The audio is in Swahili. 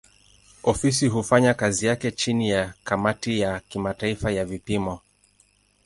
Ofisi hufanya kazi yake chini ya kamati ya kimataifa ya vipimo.